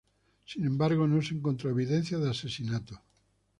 Sin embargo, no se encontró evidencia de asesinato.